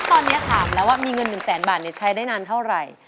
ตอนนี้ถามแล้วว่ามีเงิน๑แสนบาทใช้ได้นานเท่าไหร่